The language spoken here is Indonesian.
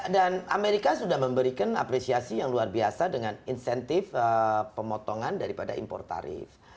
dan amerika sudah memberikan apresiasi yang luar biasa dengan insentif pemotongan daripada impor tarif